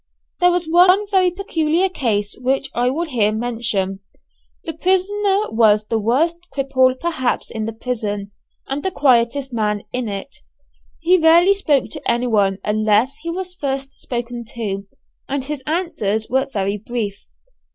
There was one very peculiar case which I will here mention. The prisoner was the worst cripple perhaps in the prison, and the quietest man in it. He rarely spoke to anyone unless he was first spoken to, and his answers were very brief.